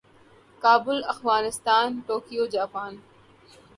Kabul Afghanistan Tokyo Japan